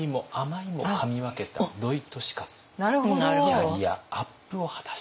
キャリアアップを果たした。